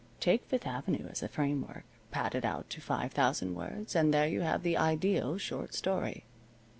Take Fifth Avenue as a framework, pad it out to five thousand words, and there you have the ideal short story.